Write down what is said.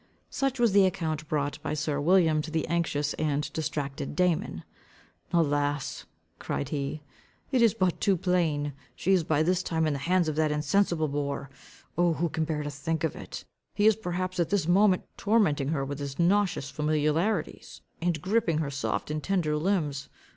Such was the account brought by sir William to the anxious and distracted Damon. "Alas," cried he, "it is but too plain? She is by this time in the hands of that insensible boor. Oh, who can bear to think of it! He is perhaps, at this moment, tormenting her with his nauseous familiarities, and griping her soft and tender limbs!